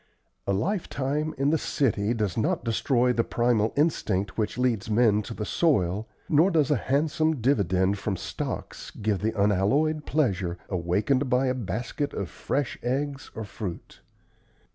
A lifetime in the city does not destroy the primal instinct which leads men to the soil nor does a handsome dividend from stocks give the unalloyed pleasure awakened by a basket of fresh eggs or fruit.